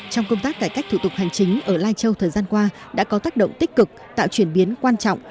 trong thời gian qua đã có tác động tích cực tạo chuyển biến quan trọng